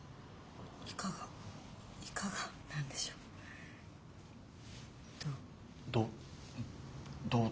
いかがいかがなんでしょうどう？